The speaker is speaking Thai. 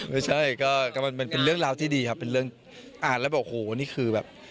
ไม่ใช่ก็มันเป็นเรื่องราวที่ดีครับเป็นเรื่องอ่านแล้วบอกโหนี่คือแบบ